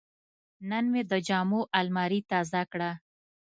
نن مې د جامو الماري تازه کړه.